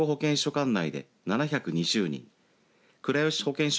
管内で７２０人倉吉保健所